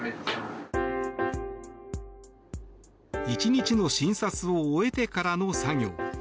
１日の診察を終えてからの作業。